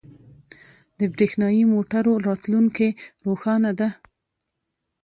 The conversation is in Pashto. • د برېښنايی موټرو راتلونکې روښانه ده.